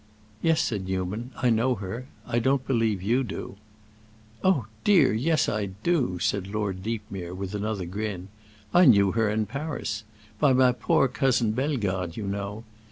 "Yes," said Newman, "I know her. I don't believe you do." "Oh dear, yes, I do!" said Lord Deepmere, with another grin. "I knew her in Paris—by my poor cousin Bellegarde, you know.